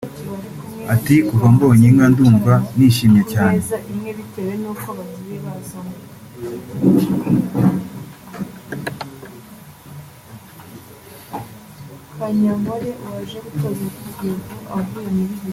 Ati “kuva mbonye inka ndumva nishimye cyane